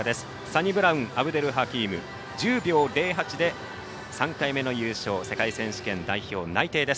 サニブラウンアブデルハキーム１０秒０８で３回目の優勝世界選手権代表内定。